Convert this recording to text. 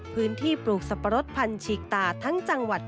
ปลูกสับปะรดพันธีกตาทั้งจังหวัด